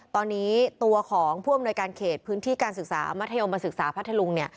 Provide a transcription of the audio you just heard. ตอนนี้ตัวของผู้อำนวยการเขตพื้นที่การศึกษามัธยมศึกษาพัทธลุงเนี่ย